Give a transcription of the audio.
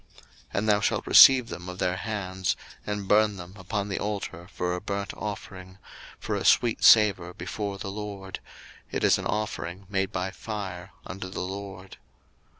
02:029:025 And thou shalt receive them of their hands, and burn them upon the altar for a burnt offering, for a sweet savour before the LORD: it is an offering made by fire unto the LORD.